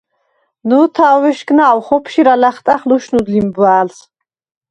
ნო̄თა̄უ̂ უ̂ეშგმა̄უ̂ ხოფშირა ლა̈ხტა̈ხ, ლუშნუდ ლიმბუ̂ა̄̈ლს!